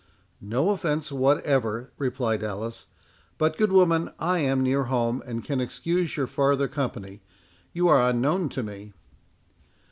"No offence whatever," replied Alice; "but, good woman, I am near home, and can excuse your farther company.—You are unknown to me."